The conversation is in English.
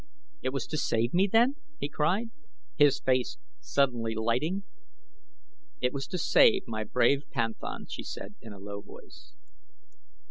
"It was to save me, then?" he cried, his face suddenly lighting. "It was to save my brave panthan," she said in a low voice.